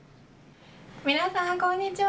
皆さん、こんにちは。